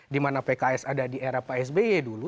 dimana pks ada di era pak sby dulu